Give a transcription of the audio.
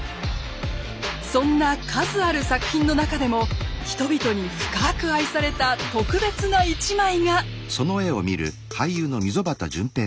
そんな数ある作品の中でも人々に深く愛された特別な一枚が。